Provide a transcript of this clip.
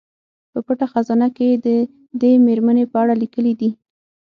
په پټه خزانه کې یې د دې میرمنې په اړه لیکلي دي.